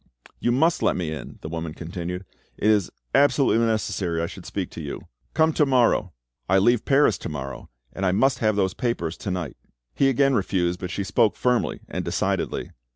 "You must let me in," the woman continued; "it is absolutely necessary I should speak to you." "Come to morrow." "I leave Paris to morrow, and I must have those papers to night." He again refused, but she spoke firmly and decidedly.